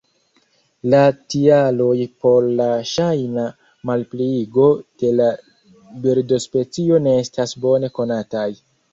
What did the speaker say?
La tialoj por la ŝajna malpliigo de la birdospecio ne estas bone konataj.